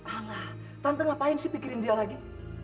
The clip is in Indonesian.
hangah tante ngapain sih pikirin dia lagi